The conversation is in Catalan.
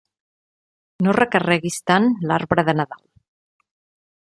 No recarreguis tant l'arbre de Nadal.